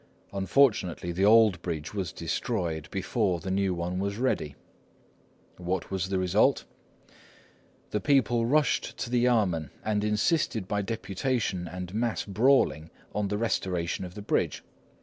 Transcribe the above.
Unfortunately, the old bridge was destroyed before the new one was ready. What was the result? "The people rushed to the Yamên, and insisted by deputation and mass brawling on the restoration of the bridge.